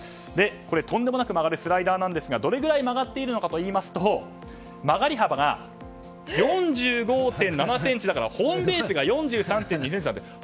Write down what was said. とんでもなく曲がるスライダーですがどれくらい曲がっているかというと曲がり幅が４５．７ｃｍだからホームベースが４３．２なので。